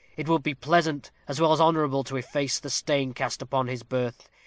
It will be pleasant, as well as honorable, to efface the stain cast upon his birth.